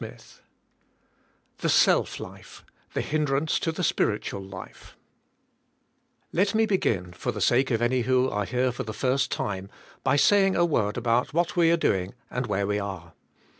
41 trbe SclMitc—Ubc t)in5tance to tbe Spiritual Xite^ Let me begfin, for tlie sake of any who are here for the first time, bj saying a word about what we are doing" and where we are.